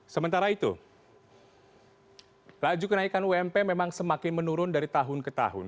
sementara itu laju kenaikan ump memang semakin menurun dari tahun ke tahun